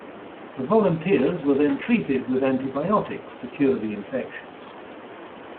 The volunteers were then treated with antibiotics to cure the infections.